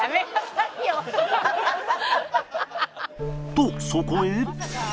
とそこへ